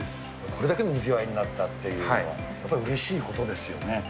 これだけのにぎわいになったというのは、やっぱりうれしいことですよね。